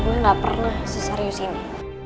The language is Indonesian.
gue gak pernah seserius ini